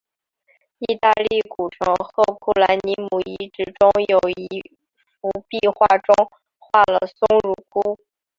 意大利古城赫库兰尼姆遗址中有一幅壁画中画了松乳菇。